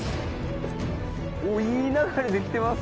おっいい流れで来てます